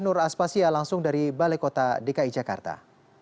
nur aspasya langsung dari balai kota dki jakarta